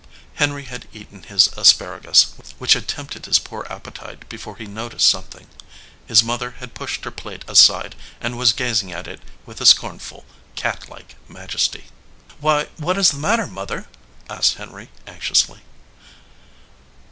Henry had eaten his asparagus, which had tempted his poor appetite before he noticed something; his mother had pushed her plate aside and was gazing at it with a scornful, catlike majesty. "Why, what is the matter, Mother?" asked Henry, anxiously.